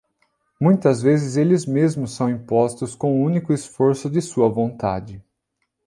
Muitas vezes eles mesmos são impostos com o único esforço de sua vontade.